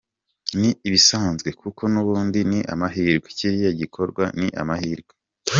Ni ibisanzwe kuko n’ubundi ni amahirwe, kiriya gikorwa ni amahirwe.